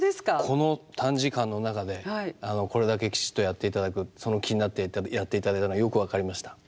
この短時間の中でこれだけきちっとやっていただくその気になってやっていただいたのがよく分かりました。